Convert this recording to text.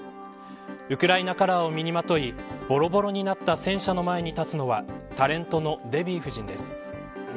ウクライナカラーを身にまといぼろぼろになった戦車の前に立つのはタレントのデヴィ夫人です。